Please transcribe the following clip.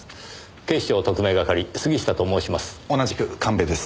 警視庁特命係杉下と申します。